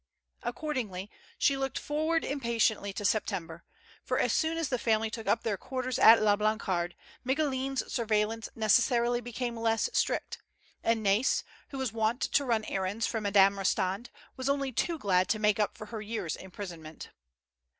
Accordingly, she looked forward impatiently to September; for as soon FK^DERIC AND NAIS. 121 as the family took up their quarters at La Blancarde, Micoulin's surveillance necessarily became less strict, and Nai's, who was wont to run errands for Madame Eostand, was only too glad to make up for her year's imprisonment.